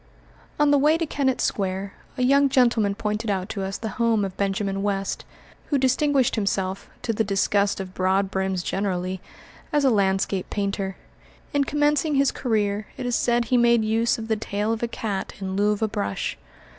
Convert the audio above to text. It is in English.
On the way to Kennett Square, a young gentleman pointed out to us the home of Benjamin West, who distinguished himself, to the disgust of broadbrims generally, as a landscape painter. In commencing his career, it is said he made use of the tail of a cat in lieu of a brush.